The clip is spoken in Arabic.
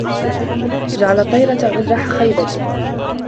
جَعَلَ الطِّيَرَةَ عُذْرَ خَيْبَتِهِ